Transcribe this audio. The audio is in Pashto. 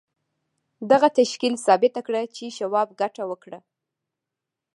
دغه تشکیل ثابته کړه چې شواب ګټه وکړه